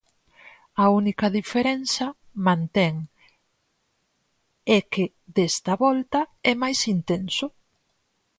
A única diferenza, mantén, é que "desta volta é máis intenso".